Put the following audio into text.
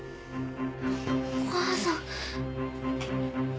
お母さん。